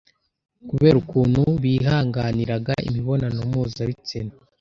kubera ukuntu bihanganiraga imibonano mpuzabitsina,